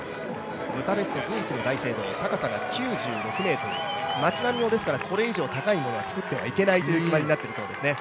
ブダペスト随一の大聖堂高さが９１ｍ町並みもこれ以上高いものを作ってはいけないという決まりがあるんですね。